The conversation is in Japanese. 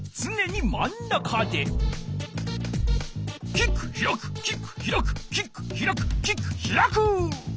キックひらくキックひらくキックひらくキックひらく！